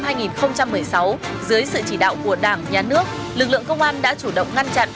trong năm hai nghìn một mươi sáu dưới sự chỉ đạo của đảng nhà nước lực lượng công an đã chủ động ngăn chặn